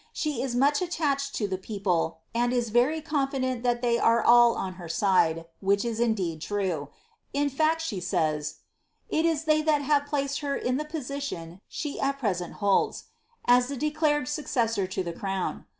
She is Bucfa attached to the people, and is very confident that they are all on ber side, (which is indeed true ;) in fact, she says * it is they that have placed her in the position she at present holds,' as the declared suc cessor to the crown."